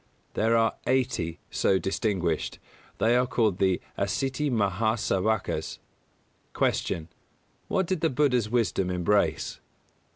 There are eighty so distinguished. They are called the Asīti Mahā Sāvakas. 250. Q. _What did the Buddha's wisdom embrace?